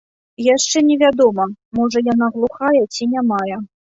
Яшчэ невядома, можа, яна глухая ці нямая.